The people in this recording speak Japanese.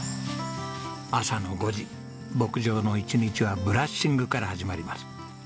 朝の５時牧場の一日はブラッシングから始まります。